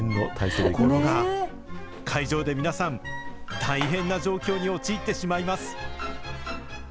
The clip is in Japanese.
ところが、会場で皆さん、大変な状況に陥ってしまいます。